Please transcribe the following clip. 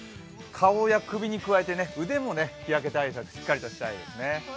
顔や首に加えて、腕も日焼け対策、しっかりとしたいですね。